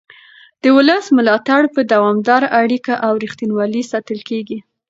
د ولس ملاتړ په دوامداره اړیکه او رښتینولۍ ساتل کېږي